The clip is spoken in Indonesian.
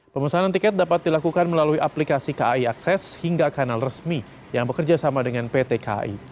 pemesanan tiket dapat dilakukan melalui aplikasi kai akses hingga kanal resmi yang bekerja sama dengan pt kai